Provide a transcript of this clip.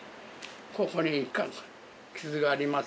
ここに傷があります